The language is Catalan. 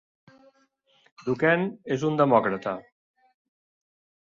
Ducheny és un demòcrata.